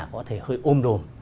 có thể hơi ôm đồm